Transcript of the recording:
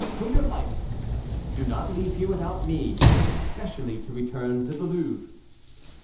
for your life,—do not leave here without me, especially to return to the Louvre."